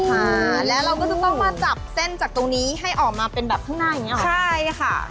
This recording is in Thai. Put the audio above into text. ค่ะแล้วเราก็จะต้องมาจับเส้นจากตรงนี้ให้ออกมาเป็นแบบข้างหน้าอย่างเงี้เหรอใช่ค่ะ